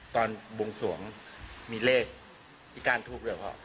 ตอนบวงสวงมีเลขที่การทุกข์หรือครับพ่อ